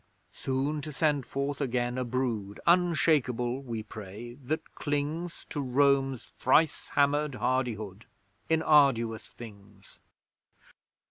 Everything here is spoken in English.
Soon to send forth again a brood, Unshakeable, we pray, that clings, To Rome's thrice hammered hardihood In arduous things.